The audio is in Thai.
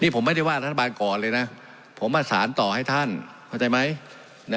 นี่ผมไม่ได้ว่าทหารบ้านก่อนเลยน่ะผมมาสารต่อให้ท่านเข้าใจไหมน่ะ